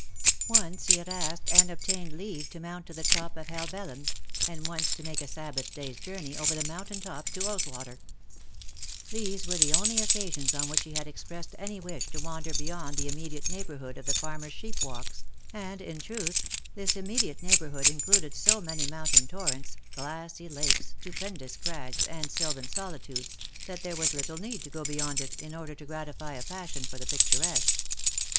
Once he had asked, and obtained leave to mount to the top of Helvellyn, and once to make a sabbath day's journey over the mountain tops to Ulswater ; these w T ere the only occasions on which he had expressed any wish to wander beyond the immediate neighbourhood of the farmer's sheep walks, and, in truth, this immediate [neighbourhood included so many mountain torrents, glassy lakes, stupendous crags, and sylvan solitudes, that there was little need to go beyond it, in order to gratify a passion for the picturesque.